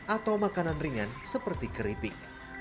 atau makanan ringan seperti keripik